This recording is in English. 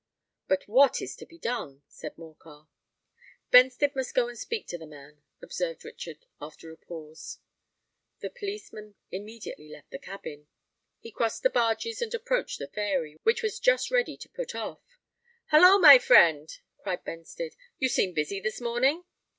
"But what is to be done?" said Morcar. "Benstead must go and speak to the man," observed Richard, after a pause. The policeman immediately left the cabin. He crossed the barges and approached the Fairy, which was just ready to put off. "Holloa! my friend," cried Benstead: "you seem busy this morning?"